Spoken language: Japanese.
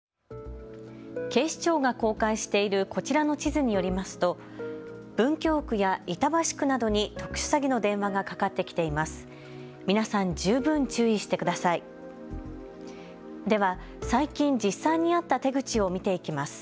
警視庁が公開しているこちらの地図によりますと文京区や板橋区などに特殊詐欺の電話がかかってきています。